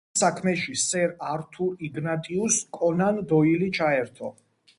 ამიტომ საქმეში სერ ართურ იგნატიუს კონან დოილი ჩაერთო.